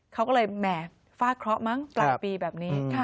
เขาก็เลยแหม่ฟาดเคราะห์มั้งปลายปีแบบนี้